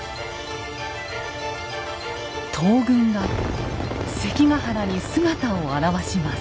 東軍が関ヶ原に姿を現します。